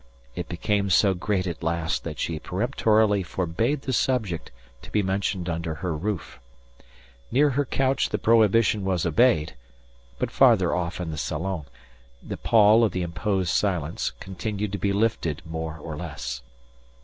It became so great at last that she peremptorily forbade the subject to be mentioned under her roof. Near her couch the prohibition was obeyed, but farther off in the salon the pall of the imposed silence continued to be lifted more or less.